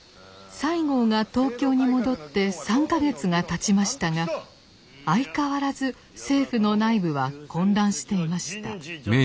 西郷が東京に戻って３か月がたちましたが相変わらず政府の内部は混乱していました。